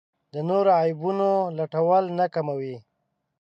د نورو عیبونو لټول نه کموي.